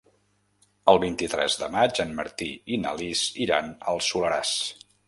El vint-i-tres de maig en Martí i na Lis iran al Soleràs.